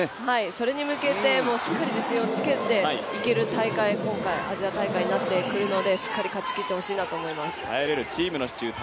それに向けてしっかり自信をつけていける大会、今回、アジア大会になってくるのでしっかり勝ちきってほしいなと思います。